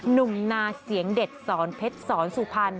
หนุ่มนาเสียงเด็ดสอนเพชรสอนสุพรรณ